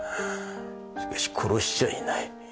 しかし殺しちゃいない。